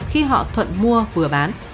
khi họ thuận mua vừa bán